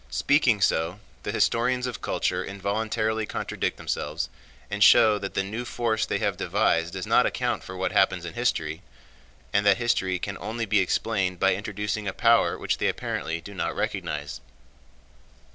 Speaking so, the historians of culture involuntarily contradict themselves, and show that the new force they have devised does not account for what happens in history, and that history can only be explained by introducing a power which they apparently do not recognize.